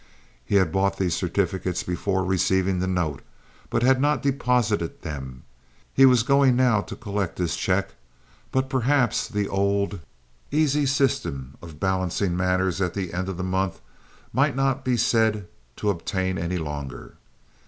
He had bought these certificates before receiving this note, but had not deposited them. He was going now to collect his check; but perhaps the old, easy system of balancing matters at the end of the month might not be said to obtain any longer.